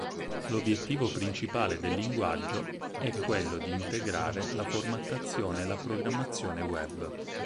L'obiettivo principale del linguaggio è quello di integrare la formattazione e la programmazione web.